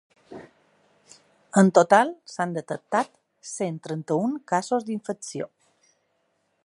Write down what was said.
En total s’han detectat cent trenta-un casos d’infecció.